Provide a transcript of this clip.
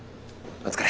お疲れ。